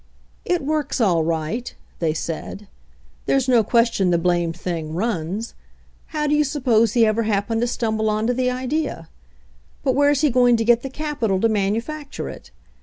"It works, all right," they said. "There's no question the blamed thing runs. How do you suppose he ever happened to stumble onto the idea ? But where's he going to get the capital to manufacture it?